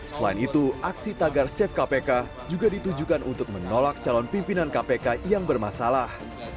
selain itu aksi tagar safe kpk juga ditujukan untuk menolak calon pimpinan kpk yang bermasalah